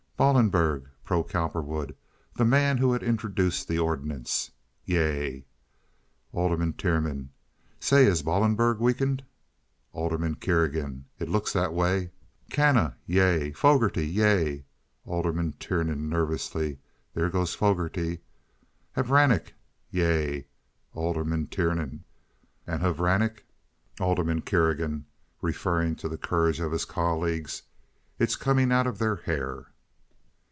"Ballenberg?" (Pro Cowperwood; the man who had introduced the ordinance.) "Yea." Alderman Tiernan. "Say, has Ballenberg weakened?" Alderman Kerrigan. "It looks that way." "Canna?" "Yea." "Fogarty?" "Yea." _Alderman Tiernan _"There goes Fogarty." "Hvranek?" "Yea." Alderman Tiernan. "And Hvranek!" Alderman Kerrigan (referring to the courage of his colleagues). "It's coming out of their hair."